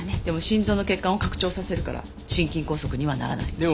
でも心臓の血管を拡張させるから心筋梗塞にはならない。